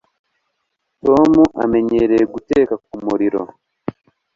Tom amenyereye guteka ku muriro